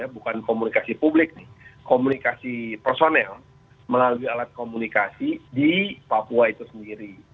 bukan komunikasi publik nih komunikasi personel melalui alat komunikasi di papua itu sendiri